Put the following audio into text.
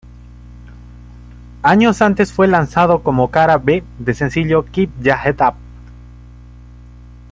Años antes fue lanzado como cara-B del sencillo "Keep Ya Head Up".